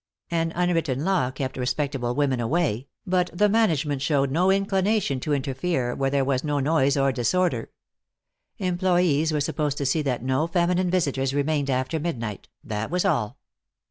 An unwritten law kept respectable women away, but the management showed no inclination to interfere where there was no noise or disorder. Employees were supposed to see that no feminine visitors remained after midnight, that was all.